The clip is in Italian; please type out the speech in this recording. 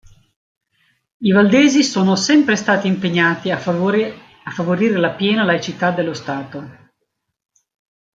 I valdesi sono sempre stati impegnati a favorire la piena laicità dello Stato.